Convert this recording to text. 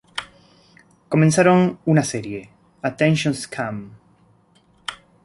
Comenzaron una serie, "Attention Scum!